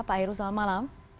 pak heru selamat malam